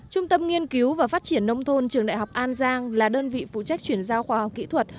trung tâm nghiên cứu và phát triển nông thôn trường đại học an giang là đơn vị phụ trách chuyển giao khoa học kỹ thuật